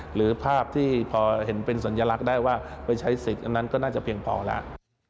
หรือภาพที่พอเห็นเป็นสัญลักษณ์ได้ว่าไปใช้สิทธิ์อันนั้นก็น่าจะเพียงพอแล้ว